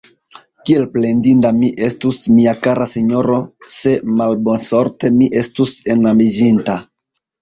Kiel plendinda mi estus, mia kara sinjoro, se malbonsorte mi estus enamiĝinta!